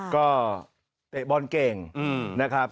ก็เตะบอลเก่งนะครับ